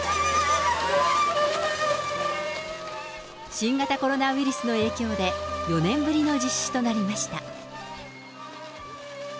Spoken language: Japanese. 新型コロナウイルスの影響で４年ぶりの実施となりました。